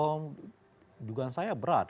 oh dugaan saya berat